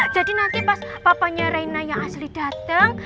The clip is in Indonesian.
jadi nanti pas papanya rena yang asli dateng